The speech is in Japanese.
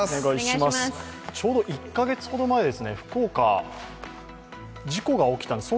ちょうど１か月ほど前、福岡、事故が起きたんです。